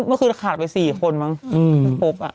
เมื่อคืนขาดไป๔คนมั้งพก